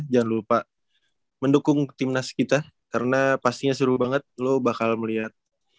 jangan lupa mendukung timnas kita karena pastinya seru banget lo bakal melihat